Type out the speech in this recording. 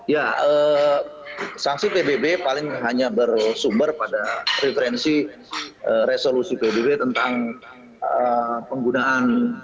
ya sanksi pbb paling hanya bersumber pada preferensi resolusi pbb tentang penggunaan